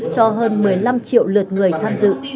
cho hơn một mươi năm triệu lượt người tham dự